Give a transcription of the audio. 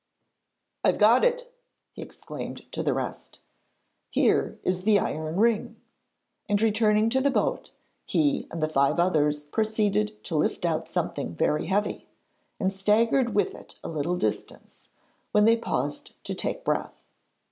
'I've got it!' he exclaimed to the rest. 'Here is the iron ring,' and, returning to the boat, he and the five others proceeded to lift out something very heavy, and staggered with it a little distance, when they paused to take breath.